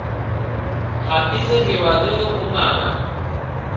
ختیځو هېوادونو ومانه.